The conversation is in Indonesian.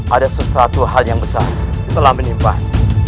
ada sesuatu hal yang besar telah menimpan